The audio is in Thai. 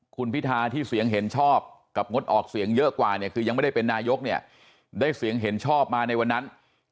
คุณพิทาที่เสียงเห็นชอบกับงดออกเสียงเยอะกว่าเนี่ยคือยังไม่ได้เป็นนายกเนี่ยได้เสียงเห็นชอบมาในวันนั้น